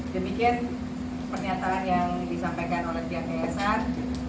demikian pernyataan yang disampaikan oleh pihak yayasan